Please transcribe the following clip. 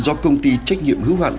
do công ty trách nhiệm hữu hạn